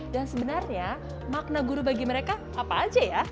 dan sebenarnya makna guru bagi mereka apa aja ya